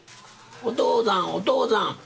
お父さん、お父さん。